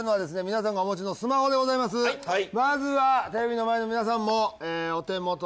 まずはテレビの前の皆さんも。